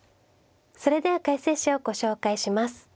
それでは解説者をご紹介します。